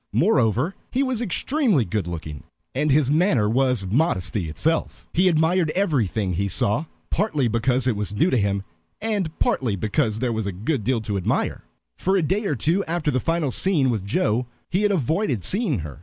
Moreover, he was extremely good looking, and his manner was modesty itself. He admired everything he saw, partly because it was new to him, and partly because there was a good deal to admire. For a day or two after the final scene with Joe he had avoided seeing her.